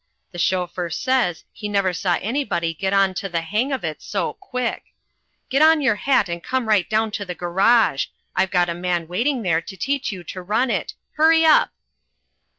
The chauffeur says he never saw anybody get on to the hang of it so quick. Get on your hat and come right down to the garage. I've got a man waiting there to teach you to run it. Hurry up!"